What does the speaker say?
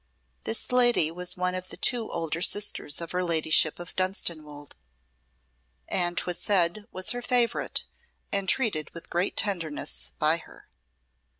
This lady was one of the two elder sisters of her ladyship of Dunstanwolde, and 'twas said was her favourite and treated with great tenderness by her.